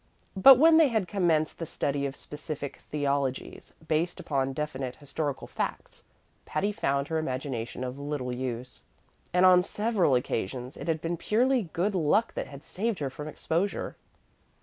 But when they had commenced the study of specific theologies, based upon definite historical facts, Patty found her imagination of little use, and on several occasions it had been purely good luck that had saved her from exposure.